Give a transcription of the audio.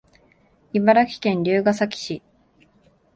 茨城県龍ケ崎市